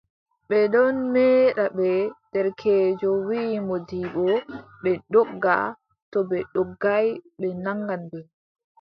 Ɓe ɗon meeda ɓe, derkeejo wii moodibbo, ɓe ndogga, to ɓe ndoggaay ɓe naŋgan ɓe.